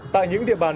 tại những địa bàn